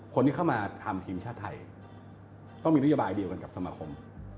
คนที่เข้ามาทำทีมชาติไทยต้องมีนโยบายเดียวกันกับสมาคม